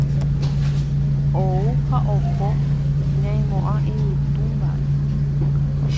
Ou ha oho ñaimo'ã yvytu mba'e.